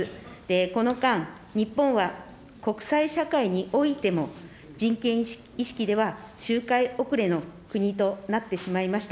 この間、日本は国際社会においても、人権意識では、周回遅れの国となってしまいました。